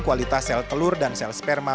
kualitas sel telur dan sel sperma